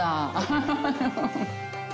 ハハハハ。